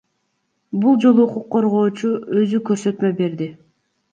Бул жолу укук коргоочу өзү көрсөтмө берди.